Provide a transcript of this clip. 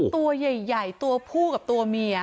ตัวใหญ่ตัวผู้กับตัวเมีย